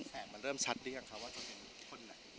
แสงมันเริ่มชัดด้วยบ้างค่ะว่าจะเป็นคนไหน